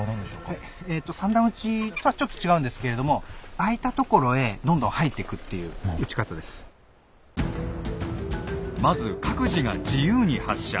はい三段撃ちとはちょっと違うんですけれどもまず各自が自由に発射。